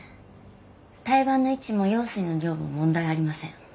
胎盤の位置も羊水の量も問題ありません。